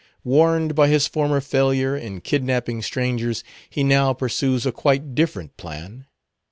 Warned by his former failure in kidnapping strangers, he now pursues a quite different plan.